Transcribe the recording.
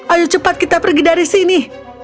ayo cepat kita pergi dari sini